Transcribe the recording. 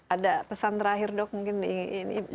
ada pesan terakhir dok mungkin ini